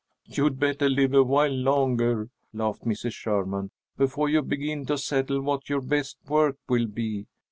"You'd better live awhile longer," laughed Mrs. Sherman, "before you begin to settle what your best work will be.